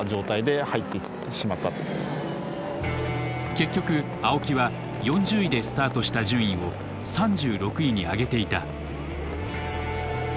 結局青木は４０位でスタートした順位を３６位に上げていた。